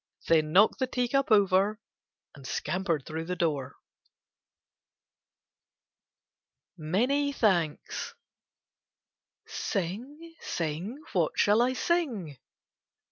Then knocked the tea cup over, and scampered through the door. 78 KITTENS AND CATS MANY THANKS Sing, sing, what shall I sing?